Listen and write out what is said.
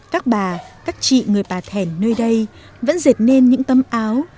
các bà các chị người bà thẻn nơi đây vẫn dệt nên những tấm áo